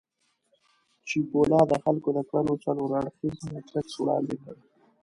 چیپولا د خلکو د کړنو څلور اړخييز میټریکس وړاندې کړ.